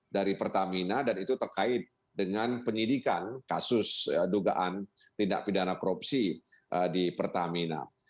dari pertamina dan itu terkait dengan penyidikan kasus dugaan tindak pidana korupsi di pertamina